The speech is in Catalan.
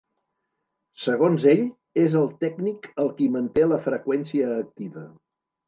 Segons ell, és el tècnic el qui manté la freqüència activa.